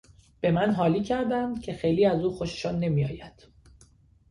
به من حالی کردند که خیلی از او خوششان نمیآید.